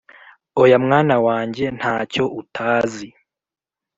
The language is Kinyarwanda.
oya, mwana wanjye ntacyo utazi,